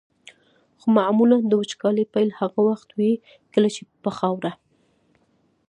خو معمولا د وچکالۍ پیل هغه وخت وي کله چې په خاوره.